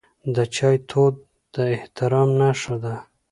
د چای دود د احترام نښه ده.